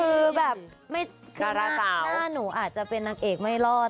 คือแบบหน้าหนูอาจจะเป็นนางเอกไม่รอด